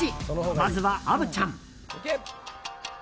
まずは虻ちゃん。